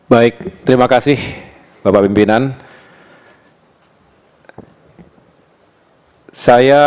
saya adalah juga seperti yangwriting uang berencana